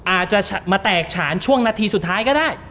อาจจะมาแตกฉานช่วงนาทีสุดท้ายก็ได้